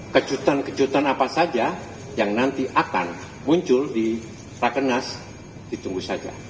kejutan kejutan apa saja yang nanti akan muncul di rakenas ditunggu saja